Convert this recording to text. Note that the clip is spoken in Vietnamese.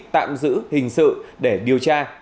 tạm giữ hình sự để điều tra